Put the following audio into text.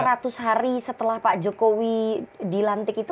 jadi mas ajk seratus hari setelah pak jokowi dilantik itu